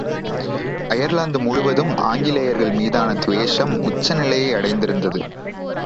Ireland முழுவதும் ஆங்கிலேயர் மீதான துவேஷம் உச்சநிலையைடைந்திருந்தது.